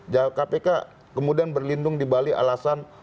jawab kpk kemudian berlindung di bali alasan